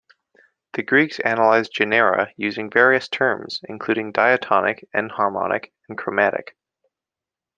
The Greeks analyzed genera using various terms, including diatonic, enharmonic, and chromatic.